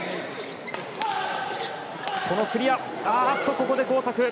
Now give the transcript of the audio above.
ここで交錯。